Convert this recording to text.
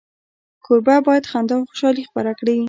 کوربه باید خندا او خوشالي خپره کړي.